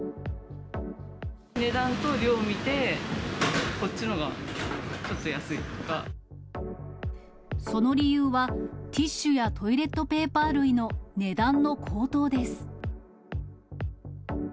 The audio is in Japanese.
値段と量を見て、こっちのがその理由は、ティッシュやトイレットペーパー類の値段の高騰です。